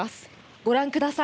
ご覧ください。